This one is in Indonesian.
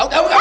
aku tau kan